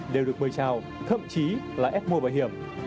đều được mời trào thậm chí là ép mua bảo hiểm